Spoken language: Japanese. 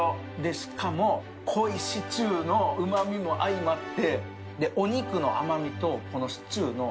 しかも濃いシチューのうまみも相まって。